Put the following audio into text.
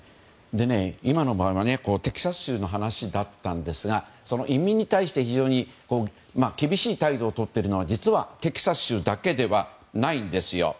今の場合はテキサス州の話だったんですが移民に対して非常に厳しい態度をとっているのは実はテキサス州だけではないんですよ。